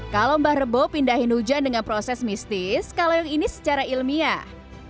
kalau mbah rebo pindahin hujan dengan proses mistis kalau yang ini secara ilmiah